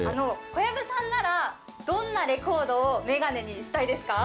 小籔さんなら、どんなレコードをメガネにしたいですか？